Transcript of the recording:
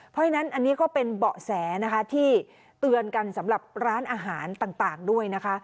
เพราะฉะนั้นอันนี้ก็เป็นเบาะแสนะคะที่เตือนกันสำหรับร้านอาหารต่างด้วยนะคะ